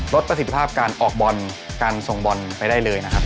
ประสิทธิภาพการออกบอลการส่งบอลไปได้เลยนะครับ